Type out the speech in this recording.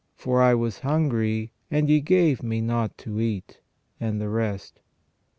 ... For I was hungry, and ye gave me not to eat," and the rest.